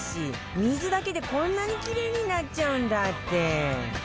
水だけでこんなにキレイになっちゃうんだって